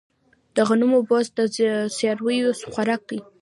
د غنمو بوس د څارویو خوراک دی.